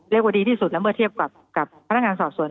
เรียกว่าดีที่สุดแล้วเมื่อเทียบกับพันธการสอบส่วน